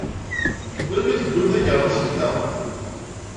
Melmi i tewwim takeṛṛust-nteɣ?